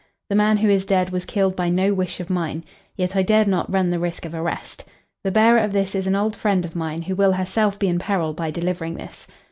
The man who is dead was killed by no wish of mine. Yet I dared not run the risk of arrest. The bearer of this is an old friend of mine who will herself be in peril by delivering this.